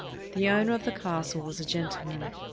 The owner of the castle was a gentleman.